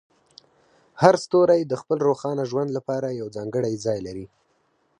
هر ستوری د خپل روښانه ژوند لپاره یو ځانګړی ځای لري.